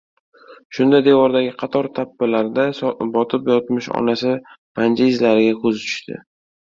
Shunda, devordagi qator tappilarda botib yotmish onasi panja izlariga ko‘zi tushdi.